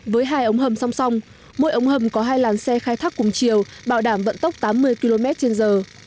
với hai ống hầm song song mỗi ống hầm có hai làn xe khai thác cùng chiều bảo đảm vận tốc tám mươi km trên giờ